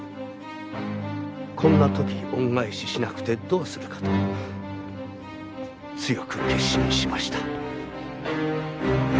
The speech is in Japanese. こんな時恩返ししなくてどうするかと強く決心しました。